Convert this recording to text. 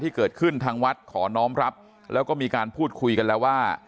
ที่เกิดขึ้นทางวัดขอน้องรับแล้วก็มีการพูดคุยกันแล้วว่า